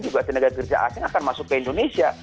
juga tenaga kerja asing akan masuk ke indonesia